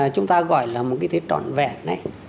chúng ta gọi là một cái tết trọn vẹn này